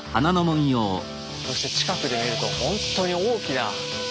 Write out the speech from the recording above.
こうして近くで見るとほんとに大きな門ですね。